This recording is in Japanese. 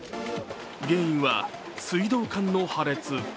原因は水道管の破裂。